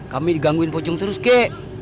kami digangguin pocong terus kek